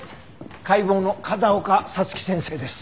解剖の風丘早月先生です。